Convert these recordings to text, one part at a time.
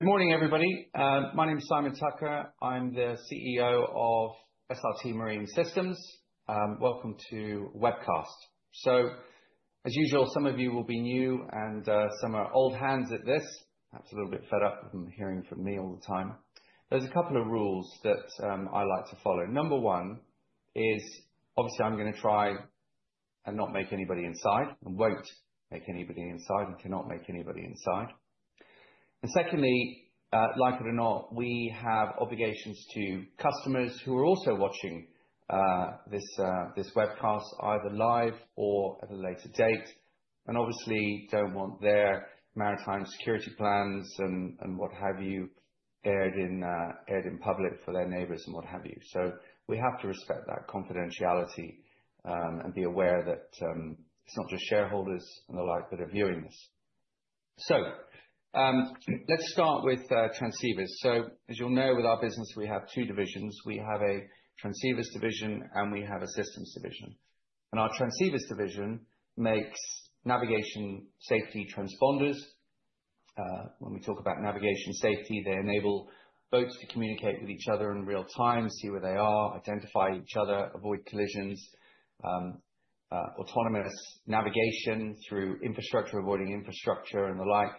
Good morning, everybody. My name is Simon Tucker. I'm the CEO of SRT Marine Systems. Welcome to the webcast. As usual, some of you will be new, and some are old hands at this, a little bit fed up with hearing from me all the time. There are a couple of rules that I like to follow. Number one is, obviously, I'm going to try and not make anybody upset, and won't make anybody upset, and cannot make anybody upset. Secondly, like it or not, we have obligations to customers who are also watching this webcast, either live or at a later date, and obviously don't want their maritime security plans and what have you aired in public for their neighbors and what have you. So we have to respect that confidentiality and be aware that it's not just shareholders and the like that are viewing this. Let's start with transceivers. As you'll know, with our business, we have two divisions. We have a transceivers division, and we have a systems division. Our transceivers division makes navigation safety transponders. When we talk about navigation safety, they enable boats to communicate with each other in real time, see where they are, identify each other, avoid collisions, autonomous navigation through infrastructure, avoiding infrastructure and the like.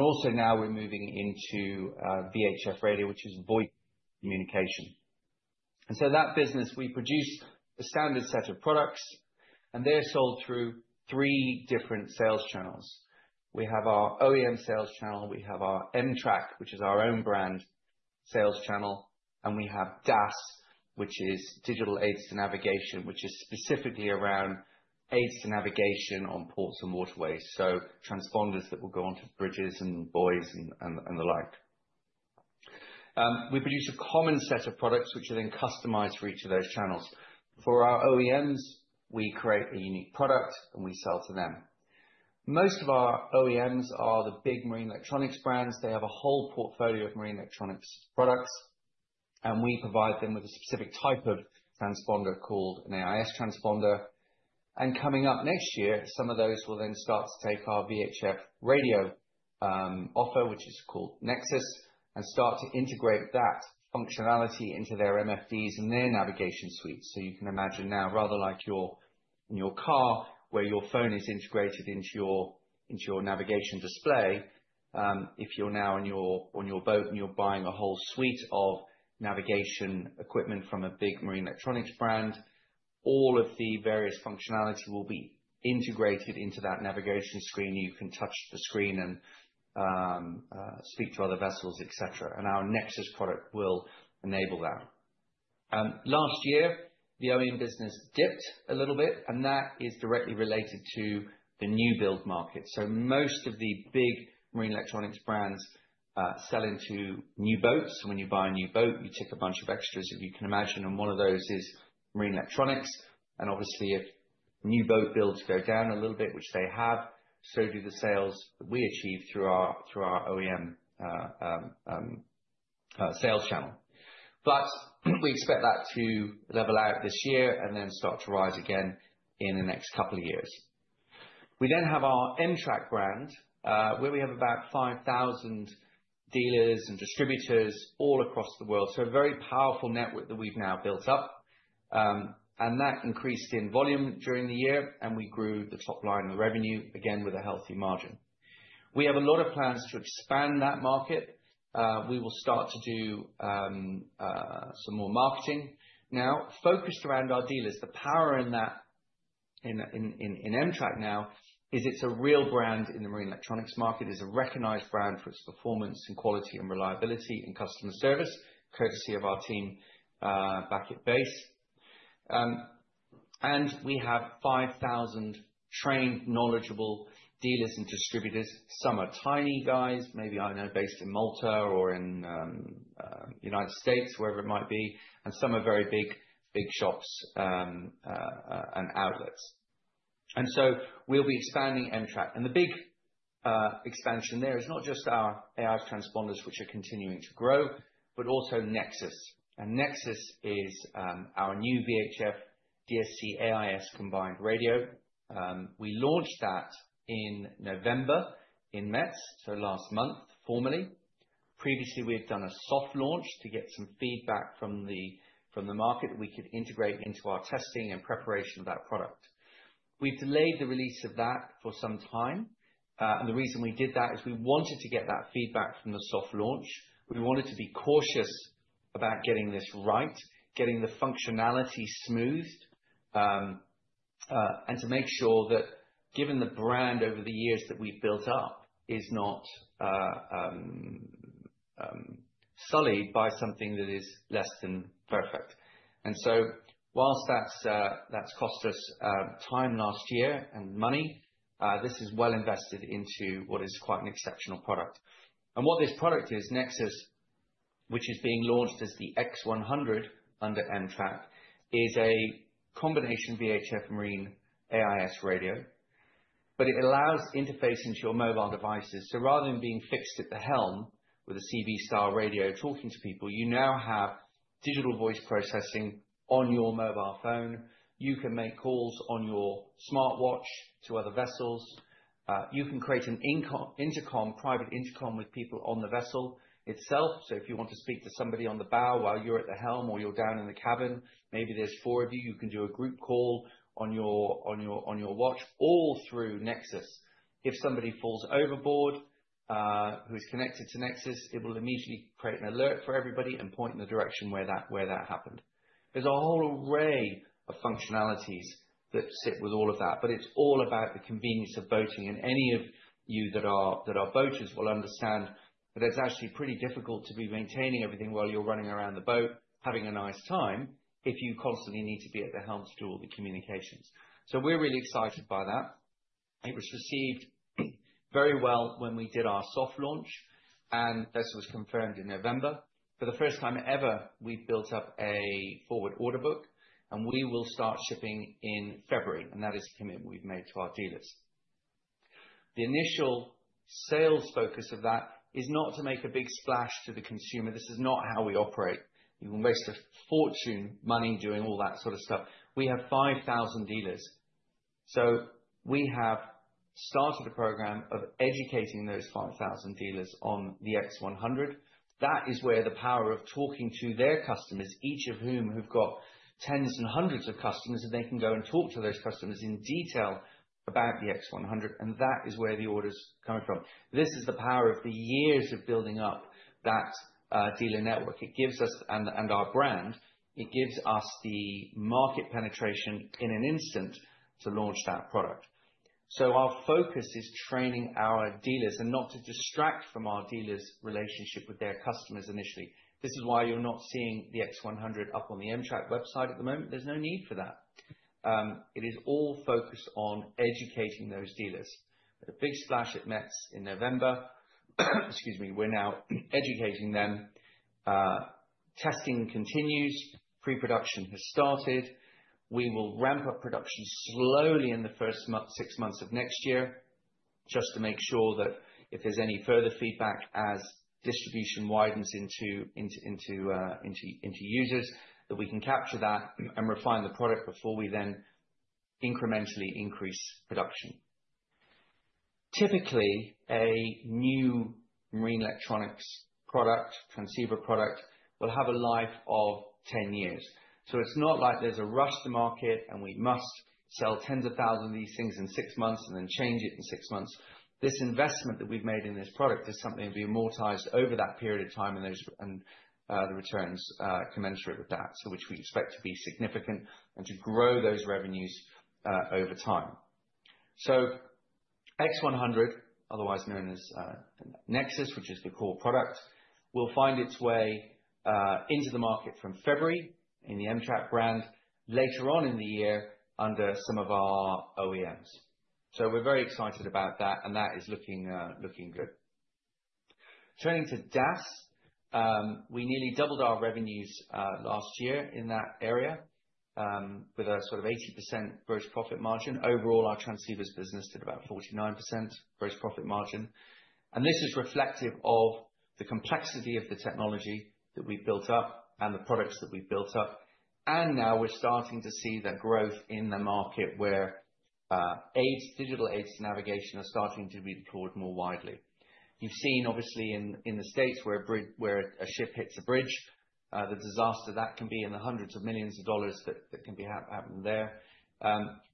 Also now we're moving into VHF radio, which is voice communication. That business, we produce a standard set of products, and they're sold through three different sales channels. We have our OEM sales channel. We have our em-trak, which is our own brand sales channel. We have DAS, which is Digital Aids to Navigation, which is specifically around aids to navigation on ports and waterways. Transponders that will go onto bridges and buoys and the like. We produce a common set of products, which are then customized for each of those channels. For our OEMs, we create a unique product, and we sell to them. Most of our OEMs are the big marine electronics brands. They have a whole portfolio of marine electronics products, and we provide them with a specific type of transponder called an AIS transponder. Coming up next year, some of those will then start to take our VHF radio offer, which is called Nexus, and start to integrate that functionality into their MFDs and their navigation suites. You can imagine now, rather like your car, where your phone is integrated into your navigation display. If you're now on your boat and you're buying a whole suite of navigation equipment from a big marine electronics brand, all of the various functionality will be integrated into that navigation screen. You can touch the screen and speak to other vessels, etc., and our Nexus product will enable that. Last year, the OEM business dipped a little bit, and that is directly related to the new build market, so most of the big marine electronics brands sell into new boats, so when you buy a new boat, you tick a bunch of extras, if you can imagine, and one of those is marine electronics, and obviously, if new boat builds go down a little bit, which they have, so do the sales that we achieve through our OEM sales channel. But we expect that to level out this year and then start to rise again in the next couple of years. We then have our em-trak brand, where we have about 5,000 dealers and distributors all across the world. So a very powerful network that we've now built up. And that increased in volume during the year, and we grew the top line of the revenue, again, with a healthy margin. We have a lot of plans to expand that market. We will start to do some more marketing now, focused around our dealers. The power in em-trak now is it's a real brand in the marine electronics market. It's a recognized brand for its performance and quality and reliability and customer service, courtesy of our team back at base. And we have 5,000 trained, knowledgeable dealers and distributors. Some are tiny guys, maybe based in Malta or in the United States, wherever it might be, and some are very big shops and outlets. And so we'll be expanding em-trak. And the big expansion there is not just our AIS transponders, which are continuing to grow, but also Nexus. And Nexus is our new VHF, DSC, AIS combined radio. We launched that in November in METS, so last month, formally. Previously, we had done a soft launch to get some feedback from the market that we could integrate into our testing and preparation of that product. We've delayed the release of that for some time. And the reason we did that is we wanted to get that feedback from the soft launch. We wanted to be cautious about getting this right, getting the functionality smoothed, and to make sure that, given the brand over the years that we've built up, is not sullied by something that is less than perfect. Whilst that's cost us time last year and money, this is well invested into what is quite an exceptional product. What this product is, Nexus, which is being launched as the X100 under em-trak, is a combination VHF marine AIS radio, but it allows interface into your mobile devices. Rather than being fixed at the helm with a CB-style radio talking to people, you now have digital voice processing on your mobile phone. You can make calls on your smartwatch to other vessels. You can create an intercom, private intercom, with people on the vessel itself. So, if you want to speak to somebody on the bow while you're at the helm or you're down in the cabin, maybe there's four of you, you can do a group call on your watch all through Nexus. If somebody falls overboard who is connected to Nexus, it will immediately create an alert for everybody and point in the direction where that happened. There's a whole array of functionalities that sit with all of that, but it's all about the convenience of boating. And any of you that are boaters will understand that it's actually pretty difficult to be maintaining everything while you're running around the boat, having a nice time, if you constantly need to be at the helm to do all the communications. So we're really excited by that. It was received very well when we did our soft launch, and this was confirmed in November. For the first time ever, we've built up a forward order book, and we will start shipping in February. And that is a commitment we've made to our dealers. The initial sales focus of that is not to make a big splash to the consumer. This is not how we operate. You can waste a fortune money doing all that sort of stuff. We have 5,000 dealers. So we have started a program of educating those 5,000 dealers on the X100. That is where the power of talking to their customers, each of whom have got tens and hundreds of customers, and they can go and talk to those customers in detail about the X100. And that is where the orders are coming from. This is the power of the years of building up that dealer network. It gives us, and our brand, it gives us the market penetration in an instant to launch that product. So our focus is training our dealers and not to distract from our dealers' relationship with their customers initially. This is why you're not seeing the X100 up on the em-trak website at the moment. There's no need for that. It is all focused on educating those dealers. A big splash at METS in November. Excuse me. We're now educating them. Testing continues. Pre-production has started. We will ramp up production slowly in the first six months of next year just to make sure that if there's any further feedback as distribution widens into users, that we can capture that and refine the product before we then incrementally increase production. Typically, a new marine electronics product, transceiver product, will have a life of 10 years. It's not like there's a rush to market and we must sell tens of thousands of these things in six months and then change it in six months. This investment that we've made in this product is something that will be amortized over that period of time, and the returns commensurate with that, which we expect to be significant and to grow those revenues over time. X100, otherwise known as Nexus, which is the core product, will find its way into the market from February in the em-trak brand later on in the year under some of our OEMs. We're very excited about that, and that is looking good. Turning to DAS, we nearly doubled our revenues last year in that area with a sort of 80% gross profit margin. Overall, our transceivers business did about 49% gross profit margin. This is reflective of the complexity of the technology that we've built up and the products that we've built up. Now we're starting to see that growth in the market where digital aids to navigation are starting to be deployed more widely. You've seen, obviously, in the States where a ship hits a bridge, the disaster that can be and the hundreds of millions of dollars that can be happening there.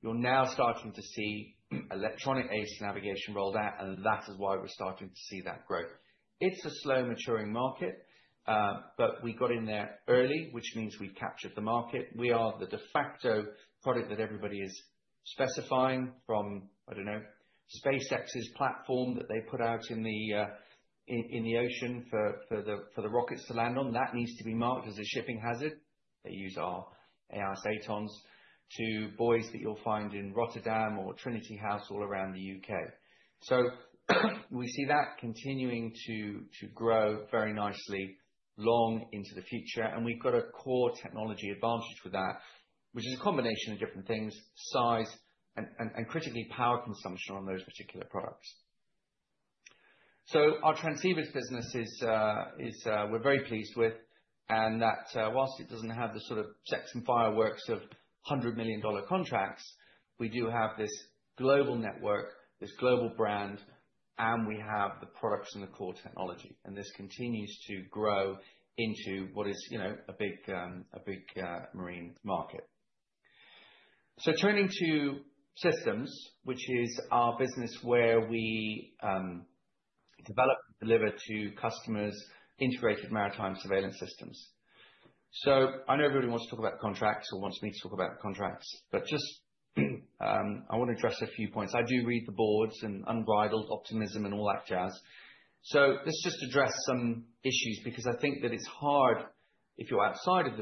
You're now starting to see electronic aids to navigation rolled out, and that is why we're starting to see that growth. It's a slow-maturing market, but we got in there early, which means we've captured the market. We are the de facto product that everybody is specifying from, I don't know, SpaceX's platform that they put out in the ocean for the rockets to land on. That needs to be marked as a shipping hazard. They use our AIS AtoNs to buoys that you'll find in Rotterdam or Trinity House all around the U.K., so we see that continuing to grow very nicely long into the future, and we've got a core technology advantage with that, which is a combination of different things, size, and critically power consumption on those particular products, so our transceivers business is we're very pleased with, and whilst it doesn't have the sort of checks and fireworks of $100 million contracts, we do have this global network, this global brand, and we have the products and the core technology, and this continues to grow into what is a big marine market, so turning to systems, which is our business where we develop and deliver to customers integrated maritime surveillance systems. So I know everybody wants to talk about contracts or wants me to talk about contracts, but just I want to address a few points. I do read the boards and unbridled optimism and all that jazz. So let's just address some issues because I think that it's hard if you're outside of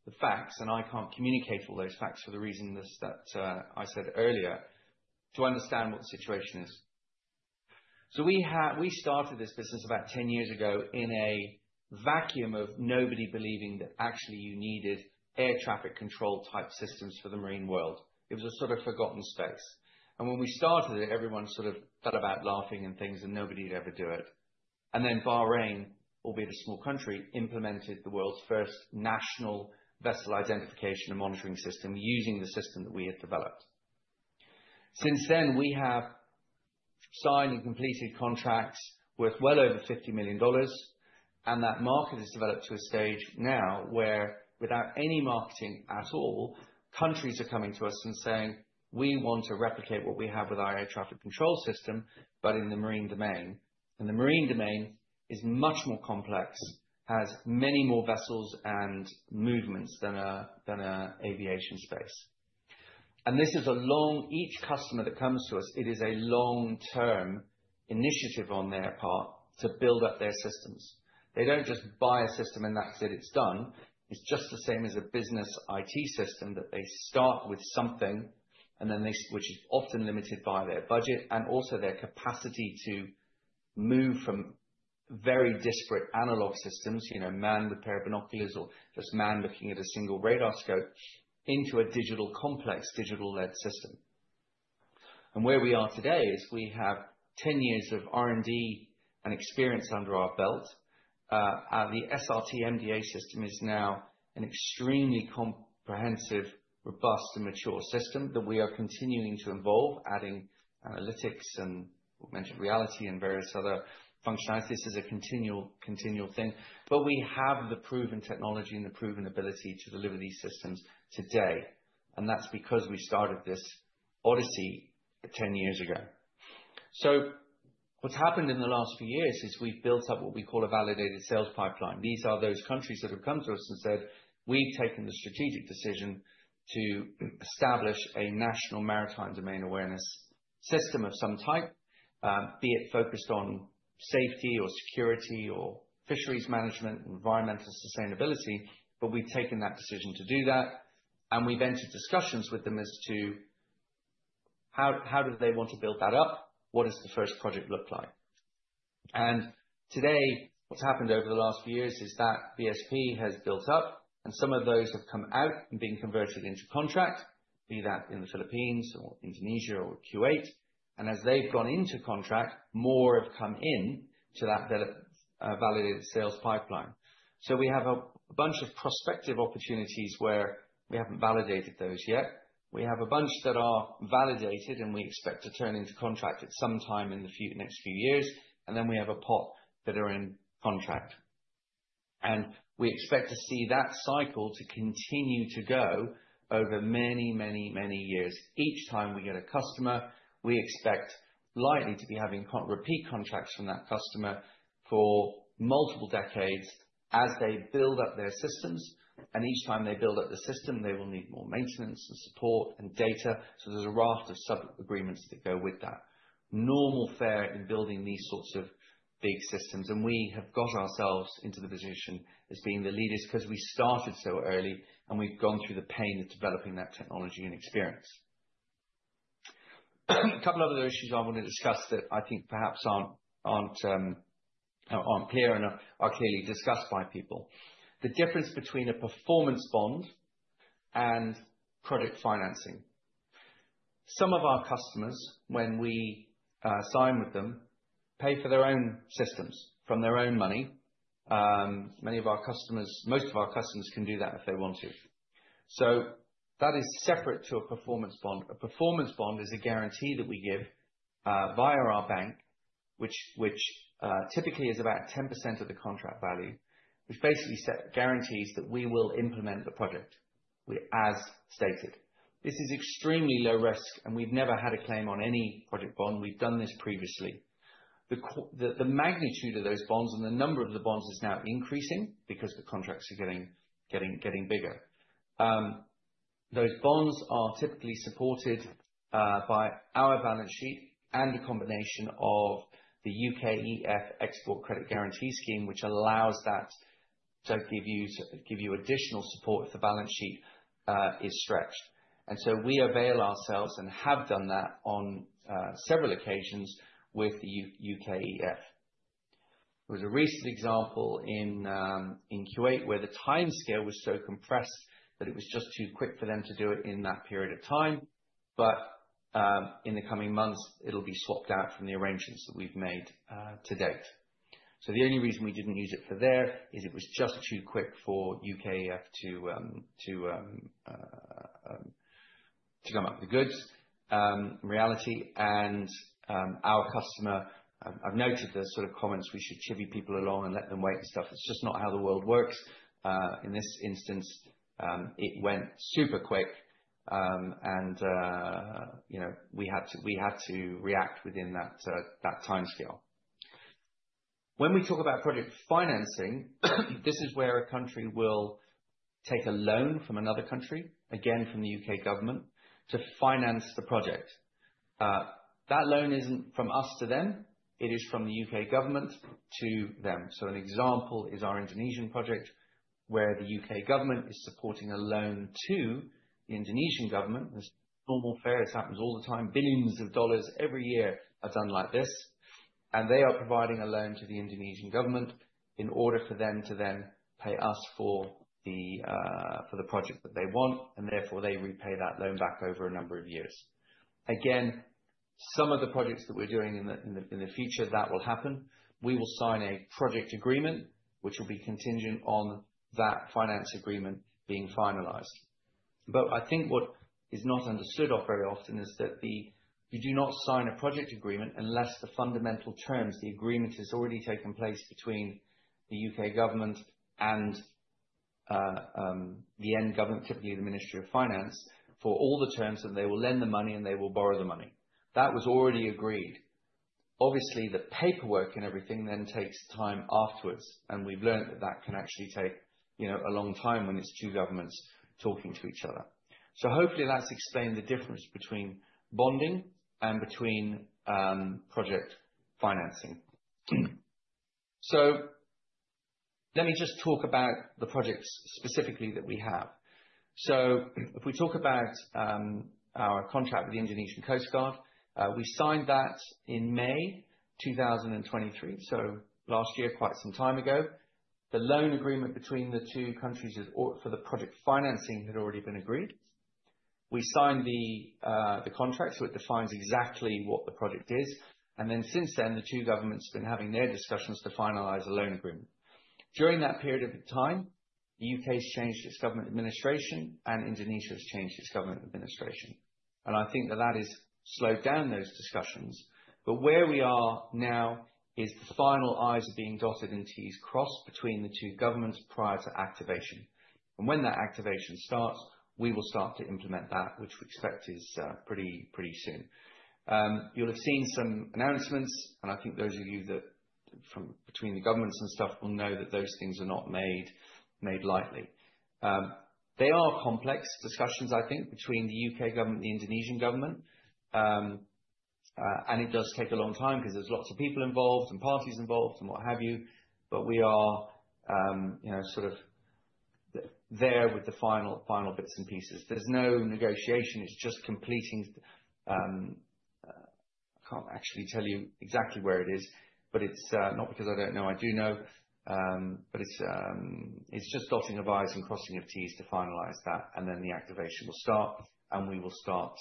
the business and not in full possession of the facts, and I can't communicate all those facts for the reason that I said earlier, to understand what the situation is. So we started this business about 10 years ago in a vacuum of nobody believing that actually you needed air traffic control type systems for the marine world. It was a sort of forgotten space. And when we started it, everyone sort of fell about laughing and things, and nobody'd ever do it. And then Bahrain, albeit a small country, implemented the world's first national vessel identification and monitoring system using the system that we had developed. Since then, we have signed and completed contracts worth well over $50 million. And that market has developed to a stage now where, without any marketing at all, countries are coming to us and saying, "We want to replicate what we have with our air traffic control system, but in the marine domain." And the marine domain is much more complex, has many more vessels and movements than our aviation space. And for each customer that comes to us, it is a long-term initiative on their part to build up their systems. They don't just buy a system and that's it, it's done. It's just the same as a business IT system that they start with something, which is often limited by their budget and also their capacity to move from very disparate analog systems, man with pair of binoculars or just man looking at a single radar scope, into a digital complex, digital-led system. And where we are today is we have 10 years of R&D and experience under our belt. The SRT MDA System is now an extremely comprehensive, robust, and mature system that we are continuing to evolve, adding analytics and augmented reality and various other functionalities. This is a continual thing. But we have the proven technology and the proven ability to deliver these systems today. And that's because we started this odyssey 10 years ago. So what's happened in the last few years is we've built up what we call a Validated Sales Pipeline. These are those countries that have come to us and said, "We've taken the strategic decision to establish a national maritime domain awareness system of some type, be it focused on safety or security or fisheries management, environmental sustainability." But we've taken that decision to do that. We've entered discussions with them as to how do they want to build that up, what does the first project look like. Today, what's happened over the last few years is that the SP has built up, and some of those have come out and been converted into contracts, be that in the Philippines or Indonesia or Kuwait. As they've gone into contract, more have come into that validated sales pipeline. We have a bunch of prospective opportunities where we haven't validated those yet. We have a bunch that are validated, and we expect to turn into contract at some time in the next few years. And then we have a pot that are in contract. And we expect to see that cycle to continue to go over many, many, many years. Each time we get a customer, we expect likely to be having repeat contracts from that customer for multiple decades as they build up their systems. And each time they build up the system, they will need more maintenance and support and data. So there's a raft of sub-agreements that go with that. Normal fare in building these sorts of big systems. And we have got ourselves into the position as being the leaders because we started so early, and we've gone through the pain of developing that technology and experience. A couple of other issues I want to discuss that I think perhaps aren't clear and are clearly discussed by people. The difference between a performance bond and project financing. Some of our customers, when we sign with them, pay for their own systems from their own money. Most of our customers can do that if they want to. So that is separate to a performance bond. A performance bond is a guarantee that we give via our bank, which typically is about 10% of the contract value, which basically guarantees that we will implement the project, as stated. This is extremely low risk, and we've never had a claim on any project bond. We've done this previously. The magnitude of those bonds and the number of the bonds is now increasing because the contracts are getting bigger. Those bonds are typically supported by our balance sheet and a combination of the UKEF Export Credit Guarantee Scheme, which allows that to give you additional support if the balance sheet is stretched. And so we avail ourselves and have done that on several occasions with the UKEF. There was a recent example in Kuwait where the timescale was so compressed that it was just too quick for them to do it in that period of time. But in the coming months, it'll be swapped out from the arrangements that we've made to date. So the only reason we didn't use it for there is it was just too quick for UKEF to come up with the goods, really. And our customer, I've noted the sort of comments we should chivvy people along and let them wait and stuff. It's just not how the world works. In this instance, it went super quick, and we had to react within that timescale. When we talk about project financing, this is where a country will take a loan from another country, again, from the UK government, to finance the project. That loan isn't from us to them. It is from the UK government to them. So an example is our Indonesian project where the UK government is supporting a loan to the Indonesian government. It's normal fare. It happens all the time. Billions of dollars every year are done like this. And they are providing a loan to the Indonesian government in order for them to then pay us for the project that they want, and therefore, they repay that loan back over a number of years. Again, some of the projects that we're doing in the future, that will happen. We will sign a project agreement, which will be contingent on that finance agreement being finalized. But I think what is not understood very often is that you do not sign a project agreement unless the fundamental terms, the agreement has already taken place between the U.K. government and the end government, typically the Ministry of Finance, for all the terms, and they will lend the money, and they will borrow the money. That was already agreed. Obviously, the paperwork and everything then takes time afterwards. And we've learned that that can actually take a long time when it's two governments talking to each other. So hopefully, that's explained the difference between bonding and between project financing. So let me just talk about the projects specifically that we have. So if we talk about our contract with the Indonesian Coast Guard, we signed that in May 2023, so last year, quite some time ago. The loan agreement between the two countries for the project financing had already been agreed. We signed the contract, so it defines exactly what the project is. And then since then, the two governments have been having their discussions to finalize a loan agreement. During that period of time, the U.K. has changed its government administration, and Indonesia has changed its government administration. And I think that that has slowed down those discussions. But where we are now is the final i’s are being dotted and T’s crossed between the two governments prior to activation. And when that activation starts, we will start to implement that, which we expect is pretty soon. You'll have seen some announcements, and I think those of you from between the governments and stuff will know that those things are not made lightly. They are complex discussions, I think, between the U.K. government and the Indonesian government, and it does take a long time because there's lots of people involved and parties involved and what have you. But we are sort of there with the final bits and pieces. There's no negotiation. It's just completing. I can't actually tell you exactly where it is, but it's not because I don't know. I do know, but it's just dotting of i's and crossing of t's to finalize that, and then the activation will start, and we will start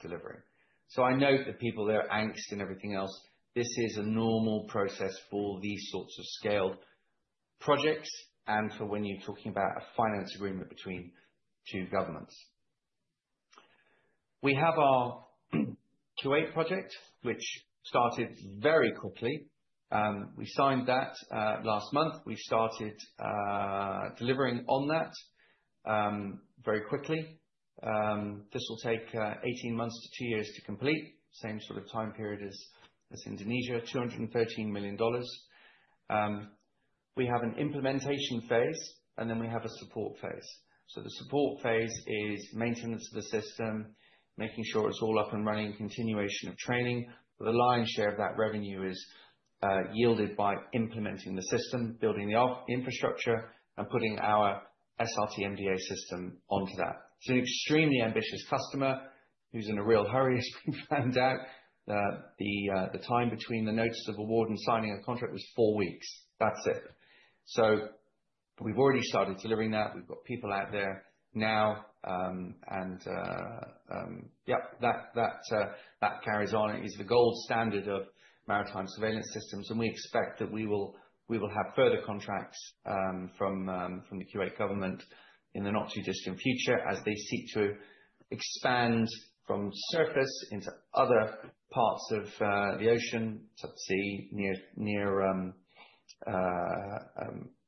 delivering, so I note that people, their angst and everything else. This is a normal process for these sorts of scaled projects and for when you're talking about a finance agreement between two governments. We have our Kuwait project, which started very quickly. We signed that last month. We started delivering on that very quickly. This will take 18 months to two years to complete, same sort of time period as Indonesia, $213 million. We have an implementation phase, and then we have a support phase. So the support phase is maintenance of the system, making sure it's all up and running, continuation of training. The lion's share of that revenue is yielded by implementing the system, building the infrastructure, and putting our SRT MDA System onto that. It's an extremely ambitious customer who's in a real hurry, as we found out. The time between the notice of award and signing a contract was four weeks. That's it. So we've already started delivering that. We've got people out there now. And yep, that carries on. It is the gold standard of maritime surveillance systems. And we expect that we will have further contracts from the Kuwait government in the not too distant future as they seek to expand from surface into other parts of the ocean, subsea,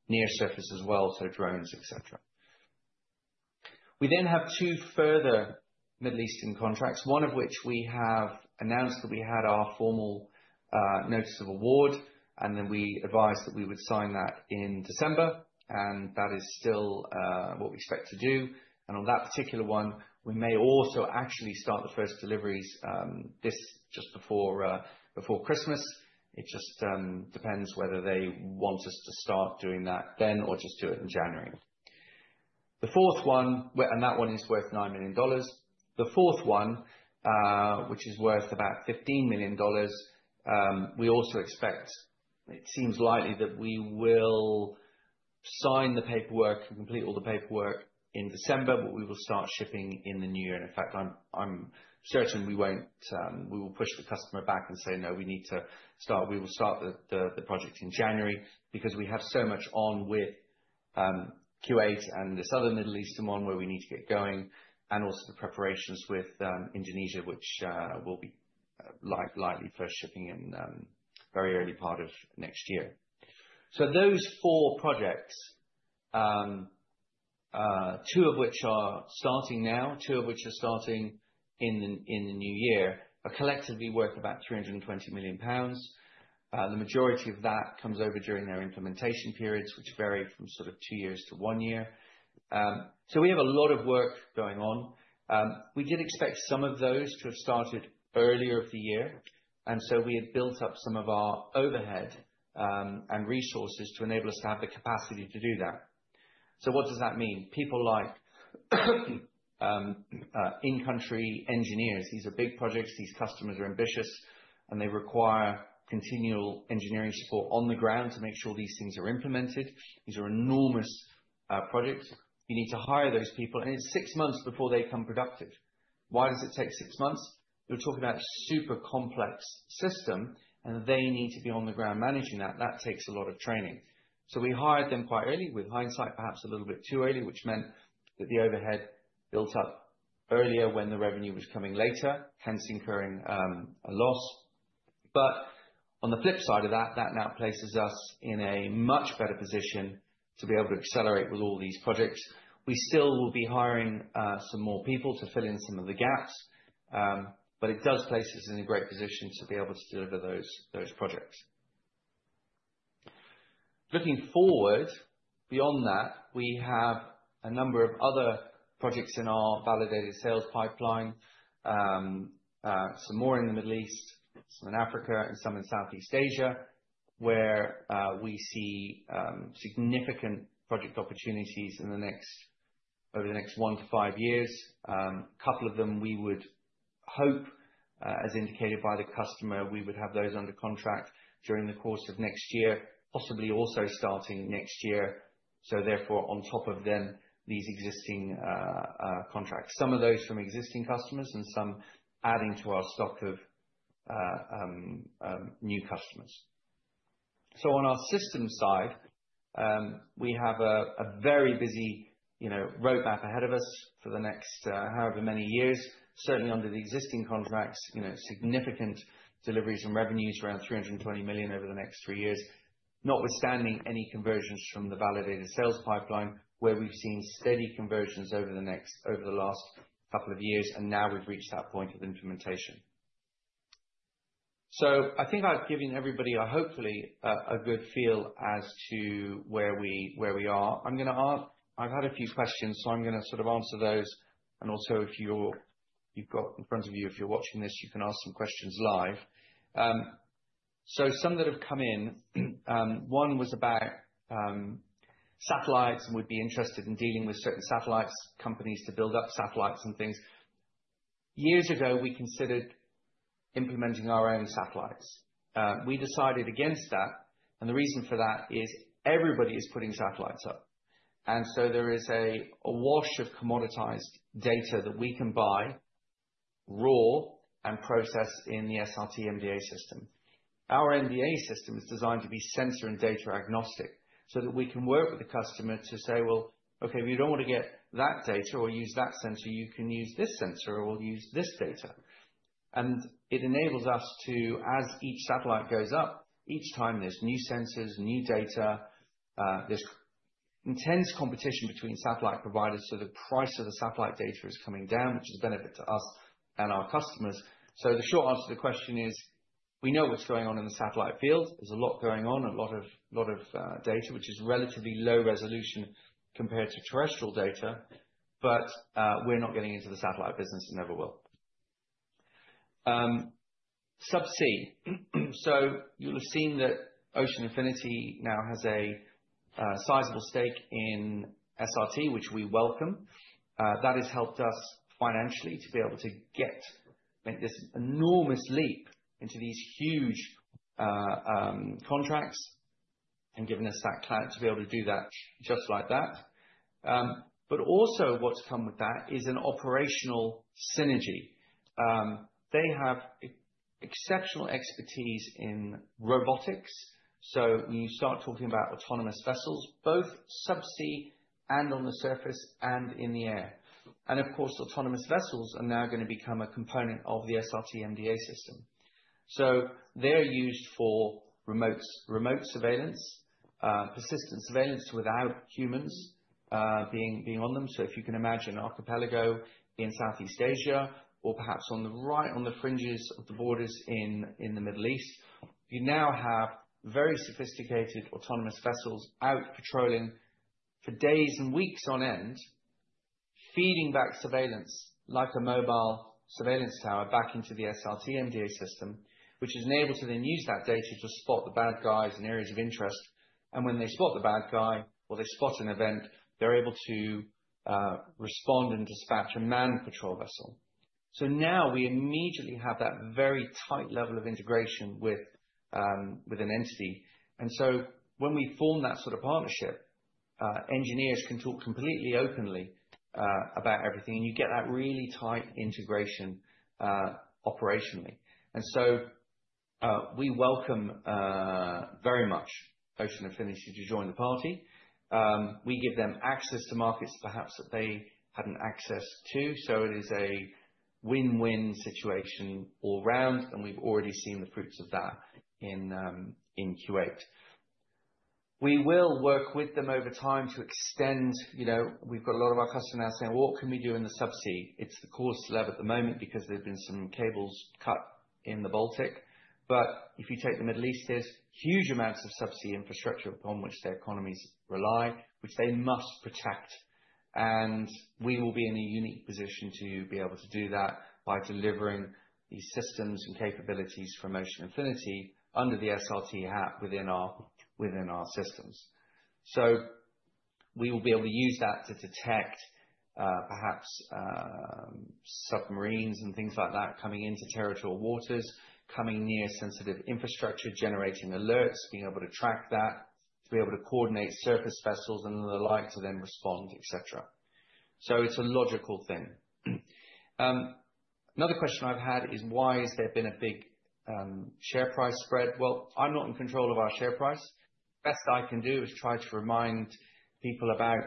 near surface as well, so drones, etc. We then have two further Middle Eastern contracts, one of which we have announced that we had our formal notice of award, and then we advised that we would sign that in December. And that is still what we expect to do. And on that particular one, we may also actually start the first deliveries just before Christmas. It just depends whether they want us to start doing that then or just do it in January. The fourth one, and that one is worth $9 million. The fourth one, which is worth about $15 million, we also expect, it seems likely that we will sign the paperwork and complete all the paperwork in December, but we will start shipping in the new year. In fact, I'm certain we will push the customer back and say, "No, we need to start. We will start the project in January because we have so much on with Kuwait and this other Middle Eastern one where we need to get going, and also the preparations with Indonesia, which will be likely first shipping in the very early part of next year." So those four projects, two of which are starting now, two of which are starting in the new year, are collectively worth about 320 million pounds. The majority of that comes over during their implementation periods, which vary from sort of two years to one year. So we have a lot of work going on. We did expect some of those to have started earlier in the year. And so we had built up some of our overhead and resources to enable us to have the capacity to do that. So what does that mean? People like in-country engineers. These are big projects. These customers are ambitious, and they require continual engineering support on the ground to make sure these things are implemented. These are enormous projects. You need to hire those people, and it's six months before they become productive. Why does it take six months? You're talking about a super complex system, and they need to be on the ground managing that. That takes a lot of training. So we hired them quite early, with hindsight perhaps a little bit too early, which meant that the overhead built up earlier when the revenue was coming later, hence incurring a loss. But on the flip side of that, that now places us in a much better position to be able to accelerate with all these projects. We still will be hiring some more people to fill in some of the gaps, but it does place us in a great position to be able to deliver those projects. Looking forward, beyond that, we have a number of other projects in our validated sales pipeline, some more in the Middle East, some in Africa, and some in Southeast Asia, where we see significant project opportunities over the next one to five years. A couple of them we would hope, as indicated by the customer, we would have those under contract during the course of next year, possibly also starting next year. So therefore, on top of them, these existing contracts. Some of those from existing customers and some adding to our stock of new customers. So on our system side, we have a very busy roadmap ahead of us for the next however many years. Certainly, under the existing contracts, significant deliveries and revenues around 320 million over the next three years, notwithstanding any conversions from the validated sales pipeline, where we've seen steady conversions over the last couple of years, and now we've reached that point of implementation. So I think I've given everybody, hopefully, a good feel as to where we are. I'm going to ask. I've had a few questions, so I'm going to sort of answer those. And also, if you've got in front of you, if you're watching this, you can ask some questions live. So some that have come in, one was about satellites and would be interested in dealing with certain satellites, companies to build up satellites and things. Years ago, we considered implementing our own satellites. We decided against that. And the reason for that is everybody is putting satellites up. And so there is a wash of commoditized data that we can buy raw and process in the SRT MDA System. Our MDA System is designed to be sensor and data agnostic so that we can work with the customer to say, "Well, okay, we don't want to get that data or use that sensor. You can use this sensor or we'll use this data." And it enables us to, as each satellite goes up, each time there's new sensors, new data, there's intense competition between satellite providers, so the price of the satellite data is coming down, which is a benefit to us and our customers. So the short answer to the question is we know what's going on in the satellite field. There's a lot going on, a lot of data, which is relatively low resolution compared to terrestrial data, but we're not getting into the satellite business and never will. Subsea. So you'll have seen that Ocean Infinity now has a sizable stake in SRT, which we welcome. That has helped us financially to be able to get this enormous leap into these huge contracts and given us that clout to be able to do that just like that. Also, what's come with that is an operational synergy. They have exceptional expertise in robotics. When you start talking about autonomous vessels, both subsea and on the surface and in the air, of course, autonomous vessels are now going to become a component of the SRT MDA System. They're used for remote surveillance, persistent surveillance without humans being on them. If you can imagine an archipelago in Southeast Asia or perhaps on the fringes of the borders in the Middle East, you now have very sophisticated autonomous vessels out patrolling for days and weeks on end, feeding back surveillance like a mobile surveillance tower back into the SRT MDA System, which is enabled to then use that data to spot the bad guys in areas of interest. When they spot the bad guy or they spot an event, they are able to respond and dispatch a manned patrol vessel. Now we immediately have that very tight level of integration with an entity. When we form that sort of partnership, engineers can talk completely openly about everything, and you get that really tight integration operationally. We welcome very much Ocean Infinity to join the party. We give them access to markets perhaps that they had not access to. It is a win-win situation all round, and we have already seen the fruits of that in Kuwait. We will work with them over time to extend. We have got a lot of our customers now saying, "Well, what can we do in the subsea?" It is the coolest level at the moment because there have been some cables cut in the Baltic. But if you take the Middle East, there's huge amounts of subsea infrastructure upon which their economies rely, which they must protect. And we will be in a unique position to be able to do that by delivering these systems and capabilities for Ocean Infinity under the SRT hat within our systems. So we will be able to use that to detect perhaps submarines and things like that coming into territorial waters, coming near sensitive infrastructure, generating alerts, being able to track that, to be able to coordinate surface vessels and the like to then respond, etc. So it's a logical thing. Another question I've had is, "Why has there been a big share price spread?" Well, I'm not in control of our share price. Best I can do is try to remind people about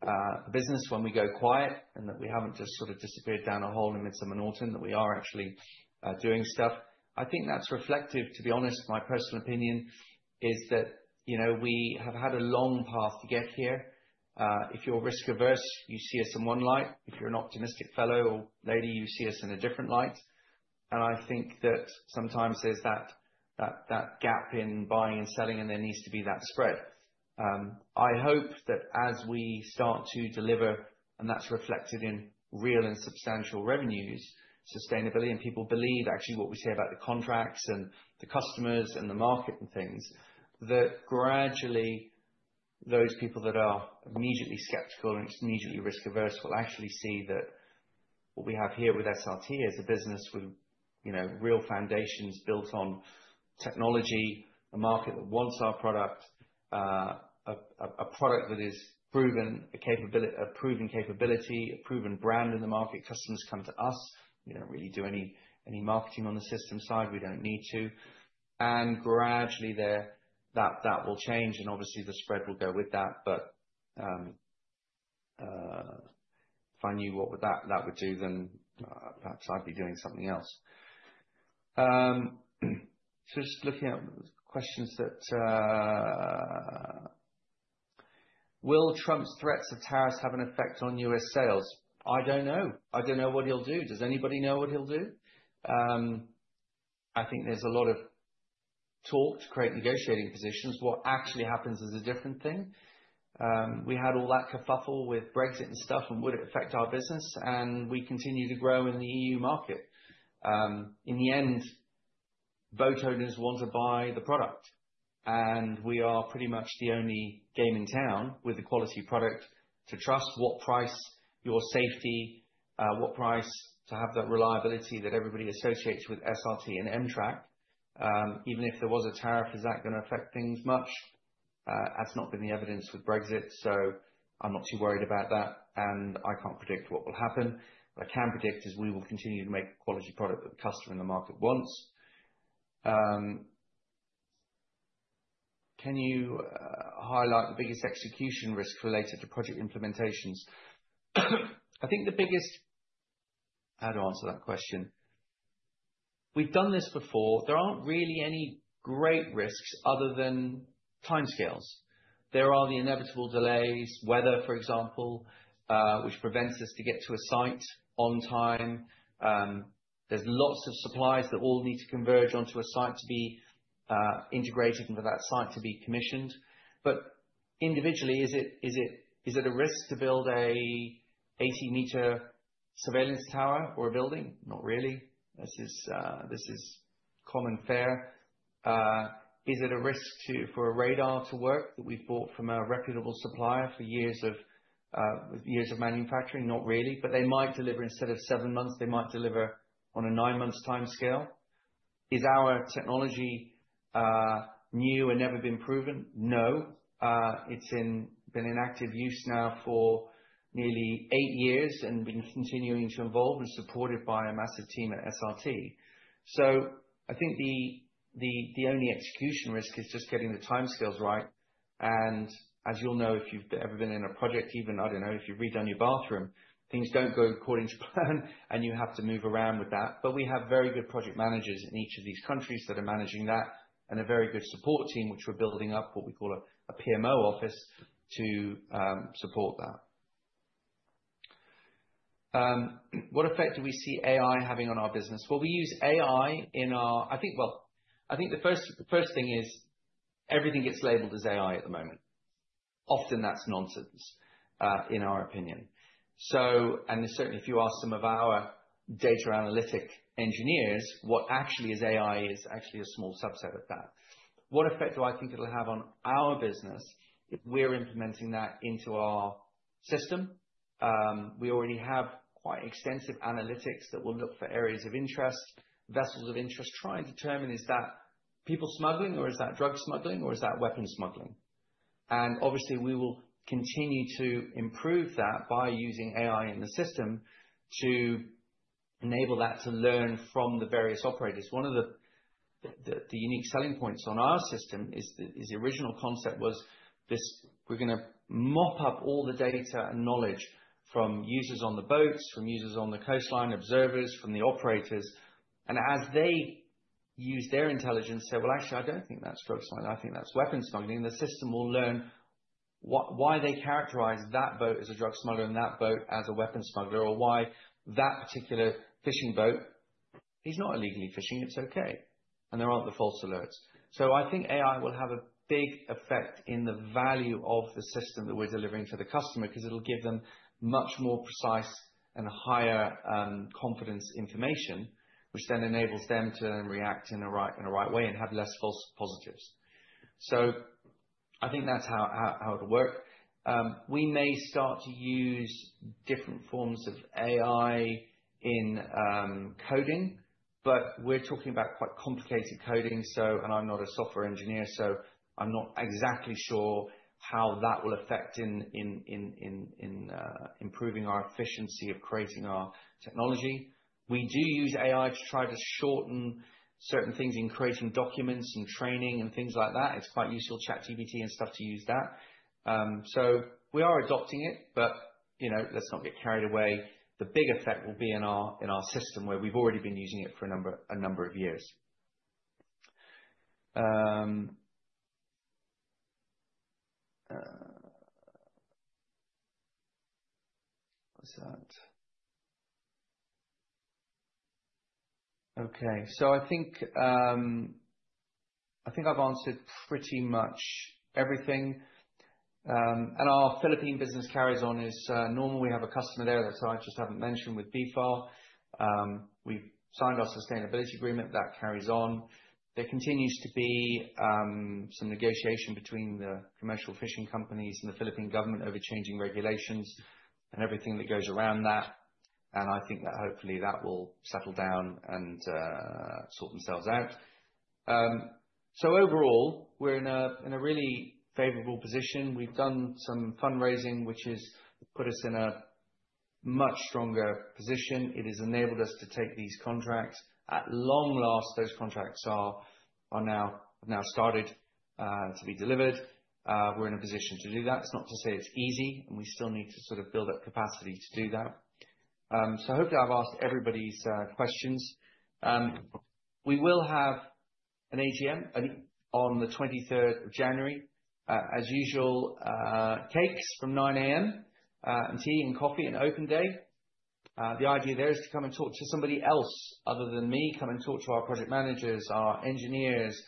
the business when we go quiet and that we haven't just sort of disappeared down a hole in Midsomer Norton, that we are actually doing stuff. I think that's reflective, to be honest. My personal opinion is that we have had a long path to get here. If you're risk-averse, you see us in one light. If you're an optimistic fellow or lady, you see us in a different light, and I think that sometimes there's that gap in buying and selling, and there needs to be that spread. I hope that as we start to deliver, and that's reflected in real and substantial revenues, sustainability, and people believe actually what we say about the contracts and the customers and the market and things, that gradually those people that are immediately skeptical and immediately risk-averse will actually see that what we have here with SRT is a business with real foundations built on technology, a market that wants our product, a product that is proven, a proven capability, a proven brand in the market. Customers come to us. We don't really do any marketing on the system side. We don't need to. And gradually that will change, and obviously the spread will go with that. But if I knew what that would do, then perhaps I'd be doing something else. So, just looking at questions that, "Will Trump's threats of tariffs have an effect on US sales?" I don't know. I don't know what he'll do. Does anybody know what he'll do? I think there's a lot of talk to create negotiating positions. What actually happens is a different thing. We had all that kerfuffle with Brexit and stuff, and would it affect our business? And we continue to grow in the EU market. In the end, boat owners want to buy the product, and we are pretty much the only game in town with a quality product to trust. What price? Your safety. What price? To have that reliability that everybody associates with SRT and em-trak. Even if there was a tariff, is that going to affect things much? That's not been the evidence with Brexit, so I'm not too worried about that, and I can't predict what will happen. What I can predict is we will continue to make quality product that the customer in the market wants. Can you highlight the biggest execution risk related to project implementations? I think the biggest. How do I answer that question? We've done this before. There aren't really any great risks other than timescales. There are the inevitable delays, weather, for example, which prevents us to get to a site on time. There's lots of supplies that all need to converge onto a site to be integrated and for that site to be commissioned. But individually, is it a risk to build an 80-meter surveillance tower or a building? Not really. This is common fare. Is it a risk for a radar to work that we've bought from a reputable supplier for years of manufacturing? Not really. But they might deliver instead of seven months, they might deliver on a nine-month time scale. Is our technology new and never been proven? No. It's been in active use now for nearly eight years and been continuing to evolve and supported by a massive team at SRT. So I think the only execution risk is just getting the timescales right. And as you'll know, if you've ever been in a project, even, I don't know, if you've redone your bathroom, things don't go according to plan, and you have to move around with that. But we have very good project managers in each of these countries that are managing that and a very good support team, which we're building up, what we call a PMO office, to support that. What effect do we see AI having on our business? Well, we use AI in our, I think, well, I think the first thing is everything gets labeled as AI at the moment. Often, that's nonsense, in our opinion. And certainly, if you ask some of our data analytic engineers, what actually is AI is actually a small subset of that. What effect do I think it'll have on our business if we're implementing that into our system? We already have quite extensive analytics that will look for areas of interest, vessels of interest, try and determine, is that people smuggling, or is that drug smuggling, or is that weapon smuggling? And obviously, we will continue to improve that by using AI in the system to enable that to learn from the various operators. One of the unique selling points on our system is the original concept was we're going to mop up all the data and knowledge from users on the boats, from users on the coastline, observers, from the operators. And as they use their intelligence, say, "Well, actually, I don't think that's drug smuggling. I think that's weapon smuggling," the system will learn why they characterize that boat as a drug smuggler and that boat as a weapon smuggler, or why that particular fishing boat is not illegally fishing. It's okay. And there aren't the false alerts. So I think AI will have a big effect in the value of the system that we're delivering to the customer because it'll give them much more precise and higher confidence information, which then enables them to react in a right way and have less false positives. So I think that's how it'll work. We may start to use different forms of AI in coding, but we're talking about quite complicated coding. And I'm not a software engineer, so I'm not exactly sure how that will affect in improving our efficiency of creating our technology. We do use AI to try to shorten certain things in creating documents and training and things like that. It's quite useful, ChatGPT and stuff, to use that. So we are adopting it, but let's not get carried away. The big effect will be in our system where we've already been using it for a number of years. What was that? Okay. So I think I've answered pretty much everything. And our Philippine business carries on. It's normal, we have a customer there that I just haven't mentioned with BFAR. We've signed our sustainability agreement. That carries on. There continues to be some negotiation between the commercial fishing companies and the Philippine government over changing regulations and everything that goes around that, and I think that hopefully that will settle down and sort themselves out, so overall, we're in a really favorable position. We've done some fundraising, which has put us in a much stronger position. It has enabled us to take these contracts. At long last, those contracts have now started to be delivered. We're in a position to do that. It's not to say it's easy, and we still need to sort of build up capacity to do that, so hopefully, I've asked everybody's questions. We will have an AGM on the 23rd of January. As usual, cakes from 9:00 A.M., tea and coffee, and open day. The idea there is to come and talk to somebody else other than me, come and talk to our project managers, our engineers,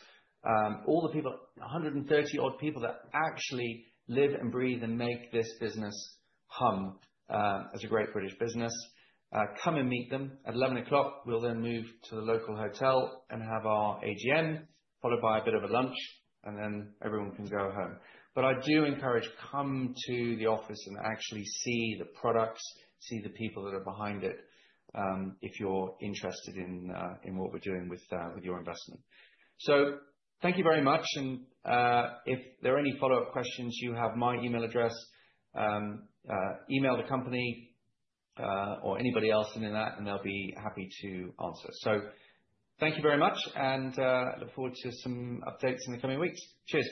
all the people, 130-odd people that actually live and breathe and make this business hum as a great British business. Come and meet them at 11:00 A.M. We'll then move to the local hotel and have our AGM, followed by a bit of a lunch, and then everyone can go home, but I do encourage coming to the office and actually seeing the products, seeing the people that are behind it if you're interested in what we're doing with your investment, so thank you very much, and if there are any follow-up questions you have, my email address, email the company or anybody else in that, and they'll be happy to answer. So thank you very much, and I look forward to some updates in the coming weeks. Cheers.